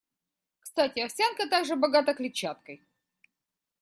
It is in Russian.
Кстати, овсянка также богата клетчаткой.